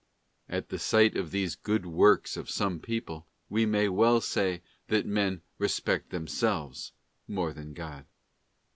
At the sight of these good works of some people, we may well say that men respect themselves more than God.